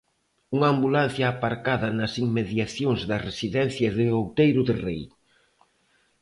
Unha ambulancia aparcada nas inmediacións da residencia de Outeiro de Rei.